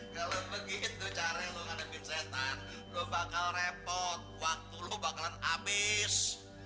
kalau begitu caranya lo lebih setan lo bakal repot waktu lo bakalan abis